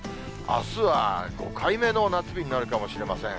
あすは５回目の夏日になるかもしれません。